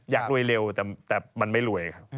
อยากรวยเร็วแต่มันไม่รวยครับ